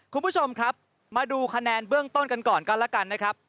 คุณผู้ชมครับมาดูคะแนนเบื้องต้นกันก่อนกันแล้วกันนะครับ